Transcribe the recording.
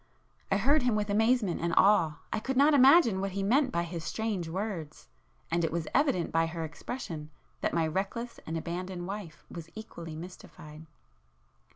I heard him with amazement and awe,—I could not imagine what he meant by his strange words,—and it was evident by her expression, that my reckless and abandoned wife was equally mystified.